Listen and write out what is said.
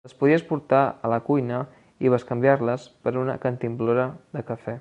Les podies portar a la cuina i bescanviar-les per una cantimplora de cafè.